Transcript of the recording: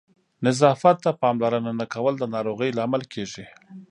نظافت ته پاملرنه نه کول د ناروغیو لامل کېږي.